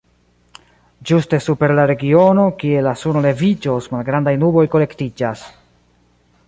Ĝuste super la regiono, kie la suno leviĝos, malgrandaj nuboj kolektiĝas.